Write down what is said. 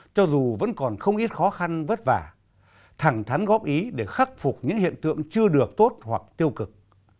cho dù vẫn còn không ít khó khăn vất vả thẳng thắn góp ý để khắc phục những hiện tượng chưa được tốt hoặc tiêu cực